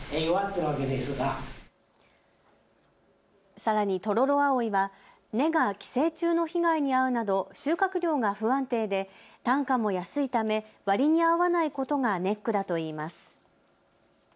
さらにトロロアオイは根が寄生虫の被害に遭うなど収穫量が不安定で単価も安いため割に合わないことがネックだといいます。